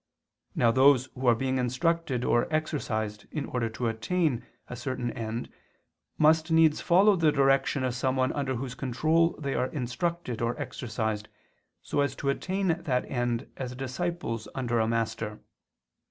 Now those who are being instructed or exercised in order to attain a certain end must needs follow the direction of someone under whose control they are instructed or exercised so as to attain that end as disciples under a master.